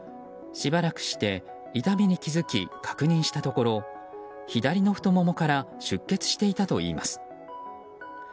しばらくして、痛みに気づき確認したところ左の太ももから出血していたといいます。